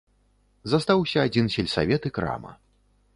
Застаўся адзін сельсавет і крама.